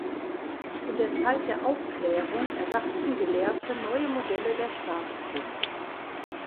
In der Zeit der Aufklärung erdachten Gelehrte neue Modelle der Staatskunst.